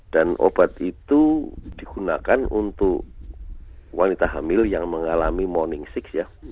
dan obat itu digunakan untuk wanita hamil yang mengalami morning sickness